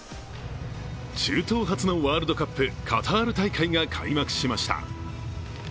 中東初のワールドカップ、カタール大会が開幕しました。